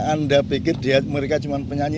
anda pikir mereka cuma penyanyi